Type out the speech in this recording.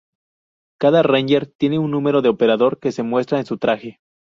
Cada Ranger tiene un número de operador que se muestra en su traje.